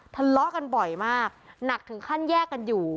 ทะเลาะกันบ่อยมากหนักถึงขั้นแยกกันอยู่